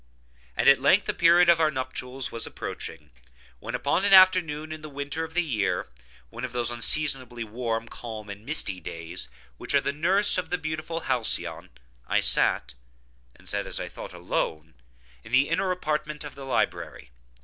And at length the period of our nuptials was approaching, when, upon an afternoon in the winter of the year—one of those unseasonably warm, calm, and misty days which are the nurse of the beautiful Halcyon (*1),—I sat, (and sat, as I thought, alone,) in the inner apartment of the library.